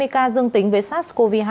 hai mươi ca dương tính với sars cov hai